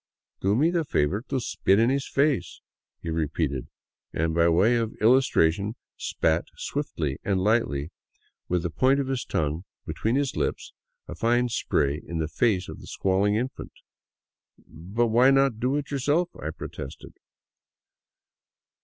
" Do me the favor to spit in its face," he repeated, and by way of illustration spat swiftly and lightly, with the point of his tongue be tween his lips, a fine spray in the face of the squalling infant. " But why not do it yourself ?" I protested.